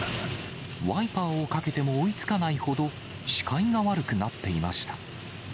ワイパーをかけても追いつかないほど、視界が悪くなっていました。